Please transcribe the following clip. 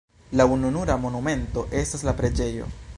La ununura monumento estas la preĝejo.